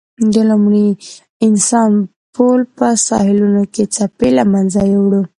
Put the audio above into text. د لومړي انسان پل په ساحلونو کې څپې له منځه یووړ.